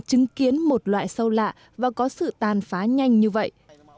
chứng kiến một loại sâu lạ và có sự tàn phá nhanh như vậy